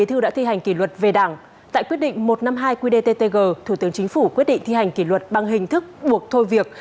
trong bài quy đề ttg thủ tướng chính phủ quyết định thi hành kỷ luật bằng hình thức buộc thôi việc